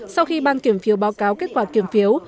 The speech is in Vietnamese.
sau khi ban kiểm phiếu báo cáo kết quả kiểm phiếu